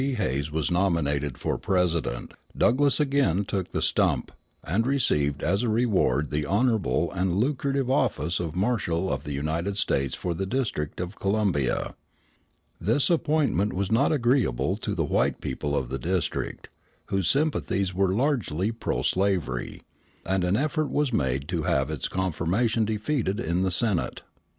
Hayes was nominated for President, Douglass again took the stump, and received as a reward the honorable and lucrative office of Marshal of the United States for the District of Columbia. This appointment was not agreeable to the white people of the District, whose sympathies were largely pro slavery; and an effort was made to have its confirmation defeated in the Senate.